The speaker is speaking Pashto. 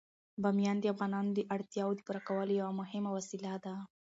بامیان د افغانانو د اړتیاوو د پوره کولو یوه مهمه وسیله ده.